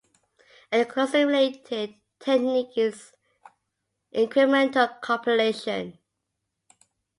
A closely related technique is incremental compilation.